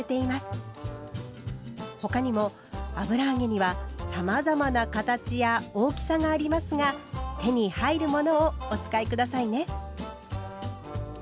他にも油揚げにはさまざまな形や大きさがありますが手に入るものをお使い下さいね。